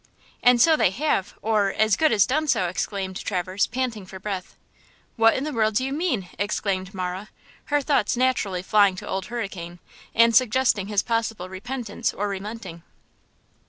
"And so they have, or, as good as done so!" exclaimed Traverse, panting for breath. "What in the world do you mean?" exclaimed Marah, her thoughts naturally flying to Old Hurricane, and suggesting his possible repentance or relenting.